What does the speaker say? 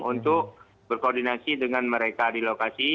untuk berkoordinasi dengan mereka di lokasi